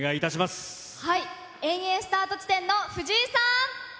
遠泳スタート地点の藤井さん。